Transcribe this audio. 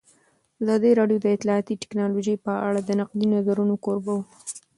ازادي راډیو د اطلاعاتی تکنالوژي په اړه د نقدي نظرونو کوربه وه.